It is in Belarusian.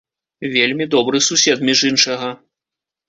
Вельмі добры сусед, між іншага.